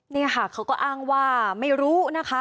นี่ค่ะเขาก็อ้างว่าไม่รู้นะคะ